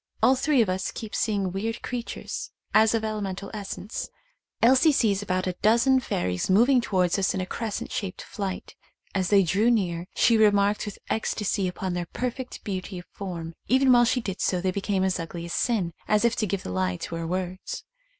All three of us keep seeing weird creatures as of elemental essence. Elsie sees about a dozen fairies moving towards us in a crescent shaped flight. As they drew near she remarked with ecstasy upon their perfect beauty of form — even while she did so they became as ugly as sin, as if to give the lie to her words.